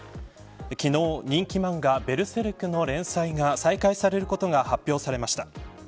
昨日、人気漫画ベルセルクの連載が再開されることが発表されました。